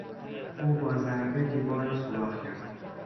او با ضربه دیوار را سوراخ کرد.